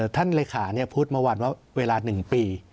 ท่านเลขาพูดเมื่อวานว่าเวลา๑ปี